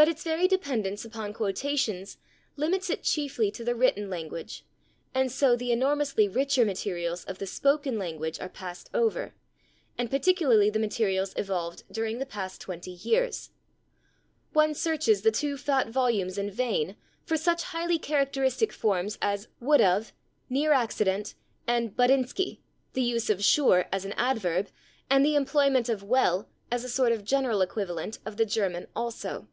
But its very dependence upon quotations limits it chiefly to the written language, and so the enormously richer materials of the spoken language are passed over, and particularly the materials evolved during the past twenty years. One searches the two fat volumes in vain for such highly characteristic forms as /would of/, /near accident/, and /buttinski/, the use of /sure/ as an adverb, and the employment of /well/ as a sort of general equivalent of the German /also